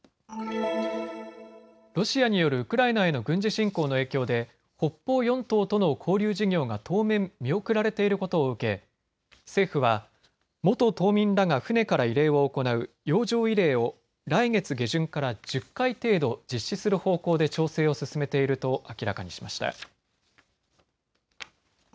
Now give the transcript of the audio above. ロシアによるウクライナへの軍事侵攻の影響で北方四島との交流事業が当面、見送られていることを受け政府は元島民らが船から慰霊を行う洋上慰霊を来月下旬から１０回程度実施する方向で調整を進めていると明らかにしました。